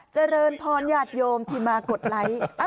เจริญพรญาติโยมที่มากดไลค์